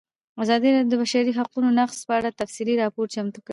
ازادي راډیو د د بشري حقونو نقض په اړه تفصیلي راپور چمتو کړی.